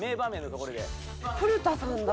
古田さんだ！